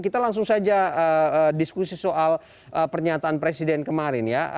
kita langsung saja diskusi soal pernyataan presiden kemarin ya